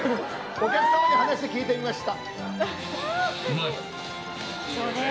お客様に話を聞いてみました。